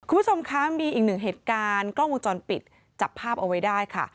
คุณผู้ชมคะมีอีกหนึ่งเหตุการณ์กล้องวงจรปิดจับภาพเอาไว้ได้ค่ะ